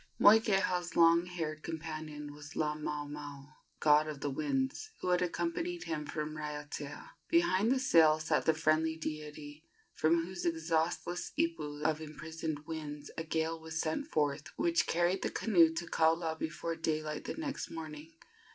Moikeha's long haired companion was Laamaomao, god of the winds, who had accompanied him from Raiatea. Behind the sail sat the friendly deity, from whose exhaustless ipu of imprisoned winds a gale was sent forth which carried the canoe to Kaula before daylight the next morning.